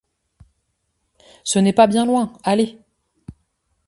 Ce n’est pas bien loin, allez !